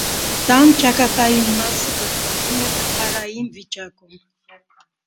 Տան ճակատային մասը գտնվում է վթարային վիճակում։